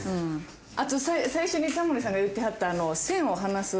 あと最初にタモリさんが言ってはった線をはがす。